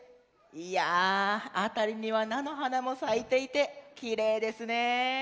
いやあたりにはなのはなもさいていてきれいですね。